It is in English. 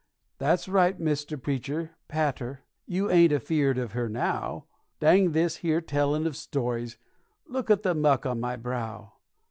That's right, Mr. Preacher, pat her you ain't not afeared of her now! Dang this here tellin' of stories look at the muck on my brow.